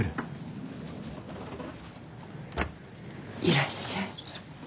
いらっしゃい。